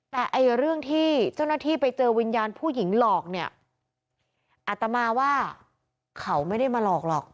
แต่เรื่องที่เจ้าหน้าที่ไปเจอวิญญาณผู้หญิงหลอกเนี่ยอัตมาว่าเขาไม่ได้มาหลอกหรอก